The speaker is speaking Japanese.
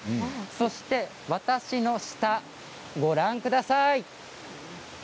そして、私の下、ご覧ください。